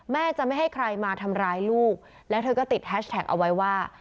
แม่จะไม่ให้ใครมาทำร้ายลูกแล้วเธอก็ติดแฮชแท็กเอาไว้ว่า